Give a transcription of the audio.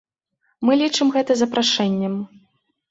Мы лічым гэта запрашэннем.